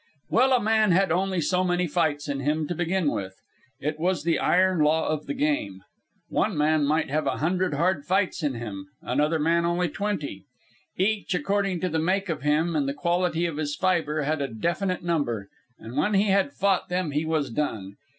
Well, a man had only so many fights in him, to begin with. It was the iron law of the game. One man might have a hundred hard fights in him, another man only twenty; each, according to the make of him and the quality of his fibre, had a definite number, and, when he had fought them, he was done.